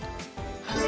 はい。